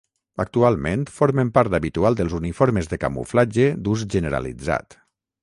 Actualment formen part habitual dels uniformes de camuflatge d'ús generalitzat.